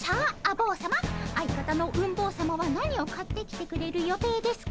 坊さま相方のうん坊さまは何を買ってきてくれる予定ですか？